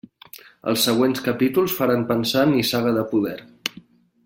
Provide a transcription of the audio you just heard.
Els següents capítols faran pensar en Nissaga de poder.